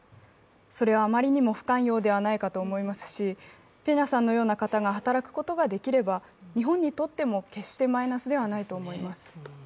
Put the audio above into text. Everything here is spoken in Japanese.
それは余りにも不寛容ではないかと思いますしペニャさんのような方がはたらくことができれば、日本にとっても決してマイナスではないと思います。